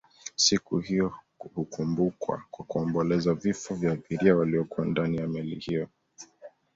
Siku hiyo hukumbukwa kwa kuomboleza vifo vya abiria waliokuwa ndani ya meli hiyo